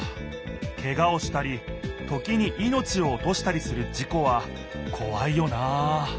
けがをしたり時にいのちをおとしたりする事故はこわいよなあ。